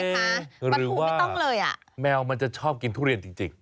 ปลาทูไม่ต้องเลยอะหรือว่าแมวมันจะชอบกินทุเรียนจริง